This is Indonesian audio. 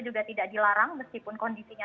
juga tidak dilarang meskipun kondisinya